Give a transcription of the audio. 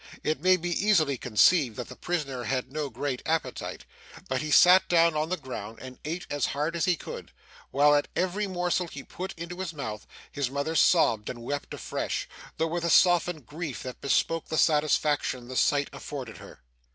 It may be easily conceived that the prisoner had no great appetite, but he sat down on the ground, and ate as hard as he could, while, at every morsel he put into his mouth, his mother sobbed and wept afresh, though with a softened grief that bespoke the satisfaction the sight afforded her.